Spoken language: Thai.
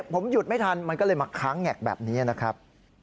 ผมหยุดไม่ทันมันก็เลยมาค้างแงกแบบนี้นะครับ